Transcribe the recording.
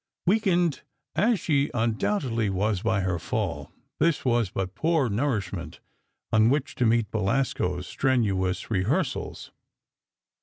Weakened as she undoubtedly was by her fall, this was but poor nourishment on which to meet Belasco's strenuous rehearsals.